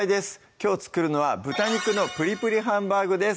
きょう作るのは「豚肉のぷりぷりハンバーグ」です